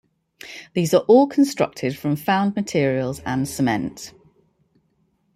These are all constructed from found materials and cement.